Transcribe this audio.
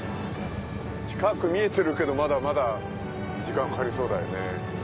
近く見えてるけどまだまだ時間かかりそうだよね。